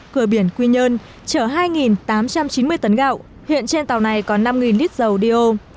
cửa biển quy nhơn chở hai tám trăm chín mươi tấn gạo hiện trên tàu này có năm lít dầu đeo